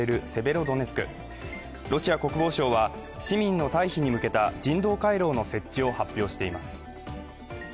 ロシア国防省は市民の退避に向けた人道回廊の設置を発表しています。